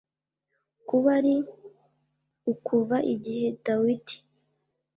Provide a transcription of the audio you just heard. kuba ari ukuva igihe dawidi